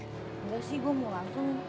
nggak sih gue mau langsung